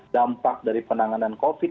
dampak dari penanganan covid sembilan belas